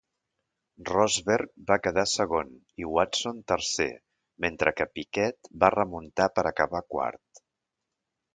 Rosberg va quedar segon i Watson tercer, mentre que Piquet va remuntar per acabar quart.